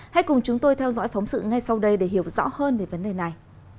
hãy cùng chúng tôi theo dõi phóng sự ngay sau đây để hiểu rõ hơn về vấn đề này